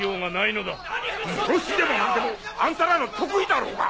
のろしでも何でもあんたらの得意だろうが！